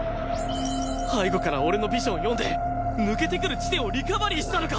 背後から俺のビジョンを読んで抜けてくる地点をリカバリーしたのか？